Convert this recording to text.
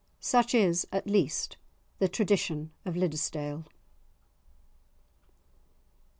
Such is, at least, the tradition of Liddesdale.